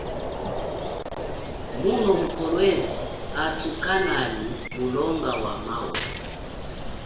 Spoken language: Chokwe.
Muno mu Kolwezi athu kanali mulonga wa mawe.